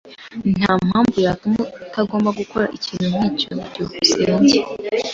Ntampamvu yatuma utagomba gukora ikintu nkicyo. byukusenge